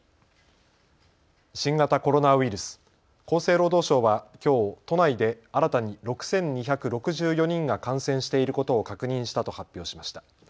新型コロナウイルス、厚生労働省はきょう都内で新たに６２６４人が感染していることを確認したと発表しました。